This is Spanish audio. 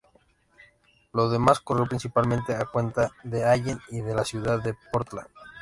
Lo demás corrió principalmente a cuenta de Allen y de la ciudad de Portland.